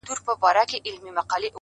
• نه تر څوکو سوای د ونو الوتلای-